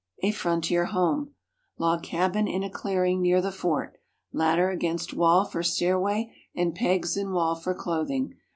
A Frontier Home Log cabin in a clearing near the fort. Ladder against wall for stairway and pegs in wall for clothing.